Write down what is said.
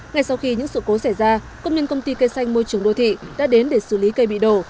ngay sau khi những sự cố xảy ra công nhân công ty cây xanh môi trường đô thị đã đến để xử lý cây bị đổ